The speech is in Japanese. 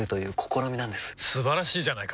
素晴らしいじゃないか！